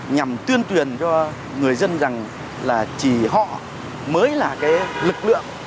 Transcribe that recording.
nhằm tuyên truyền cho người dân rằng là chỉ họ mới là cái lực lượng